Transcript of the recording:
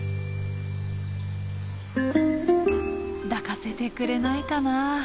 抱かせてくれないかなぁ。